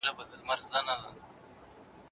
هره شـــېــبه او هــر ګـــړى مي پــــه يــــــاد